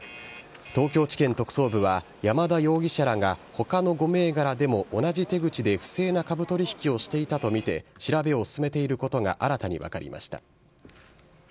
東京地検特捜部は、山田容疑者らがほかの５銘柄でも同じ手口で不正な株取り引きをしていたと見て、調べを進めていることが新たに分かりました。